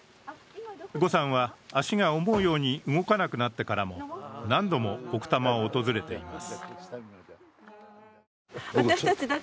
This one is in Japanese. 呉さんは、足が思うように動かなくなってからも何度も奥多摩を訪れています。